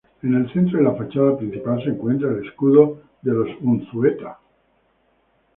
En el centro de la fachada principal se encuentra el escudo de los Unzueta.